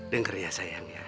dengar ya sayang ya